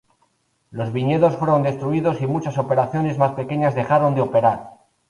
Los viñedos fueron destruidos y muchas operaciones más pequeñas dejaron de operar.